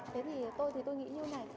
thế thì tôi thì tôi nghĩ như thế này